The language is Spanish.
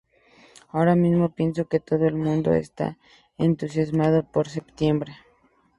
Ahora mismo, pienso que todo el mundo está entusiasmado por septiembre.